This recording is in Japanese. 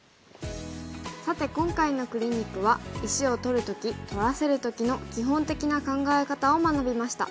さて今回のクリニックは石を取る時取らせる時の基本的な考え方を学びました。